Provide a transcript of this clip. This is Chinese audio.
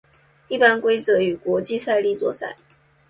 一般规则以国际赛例作赛。